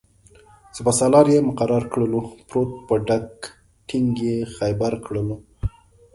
سپه سالار یې مقرر کړلو-پروت په ډکه ټینګ یې خیبر کړلو